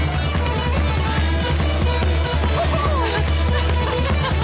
アハハハ！